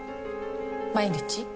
毎日？